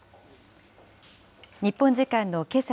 日本時間のけさ